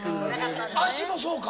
足もそうか？